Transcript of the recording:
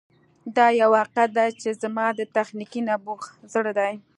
دا یو حقیقت دی چې زما د تخنیکي نبوغ زړه دی